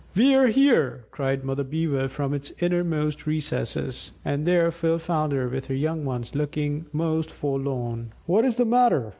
"We're here!" cried Mother Beaver from its innermost recesses; and there Phil found her with her young ones, looking most forlorn. "What is the matter?"